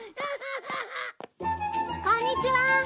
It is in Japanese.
こんにちは！